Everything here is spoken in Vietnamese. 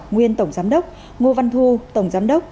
nguyên tổng giám đốc ngô văn thu tổng giám đốc